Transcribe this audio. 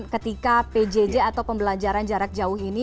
ketika pjj atau pembelajaran jarak jauh ini